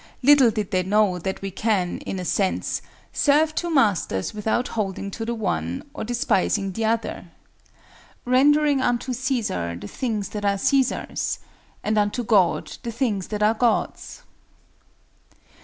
Little did they know that we can, in a sense, "serve two masters without holding to the one or despising the other," "rendering unto Cæsar the things that are Cæsar's and unto God the things that are God's."